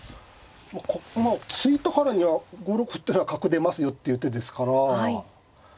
まあ突いたからには５六歩ってのは角出ますよっていう手ですから。